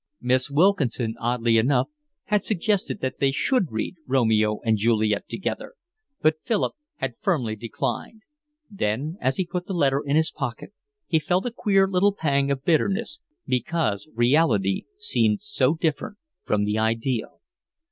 Miss Wilkinson oddly enough had suggested that they should read Romeo and Juliet together; but Philip had firmly declined. Then, as he put the letter in his pocket, he felt a queer little pang of bitterness because reality seemed so different from the ideal.